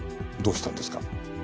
どうしたんですか？